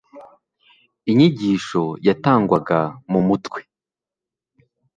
Inyigisho yatangwaga mu mutwe,